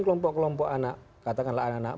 kelompok kelompok anak katakanlah anak anak